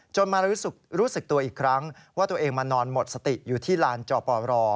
มารู้สึกตัวอีกครั้งว่าตัวเองมานอนหมดสติอยู่ที่ลานจอปร